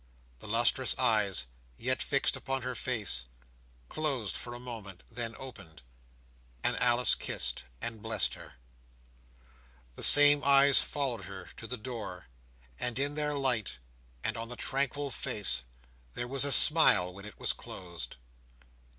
The lustrous eyes, yet fixed upon her face, closed for a moment, then opened; and Alice kissed and blest her. The same eyes followed her to the door; and in their light, and on the tranquil face, there was a smile when it was closed.